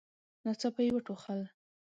ناڅاپه يې وټوخل.